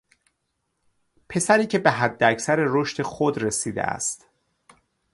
پسری که به حداکثر رشد خود رسیده است